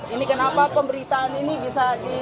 ini kenapa pemberitaan ini bisa di